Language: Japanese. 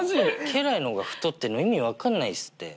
家来の方が太ってんの意味分かんないすって。